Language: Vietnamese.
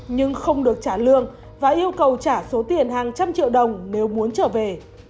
nhưng không được trả lương và yêu cầu trả số tiền hàng trăm triệu đồng nếu muốn trở về